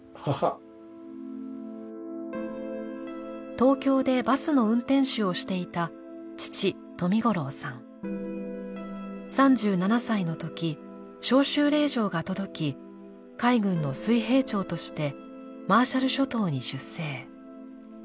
東京でバスの運転手をしていた３７歳のとき召集令状が届き海軍の水兵長としてマーシャル諸島に出征。